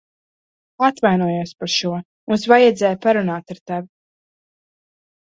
Atvainojos par šo. Mums vajadzēja parunāt ar tevi.